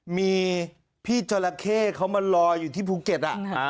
มีพี่จราเข้เขามาลอยอยู่ที่ภูเก็ต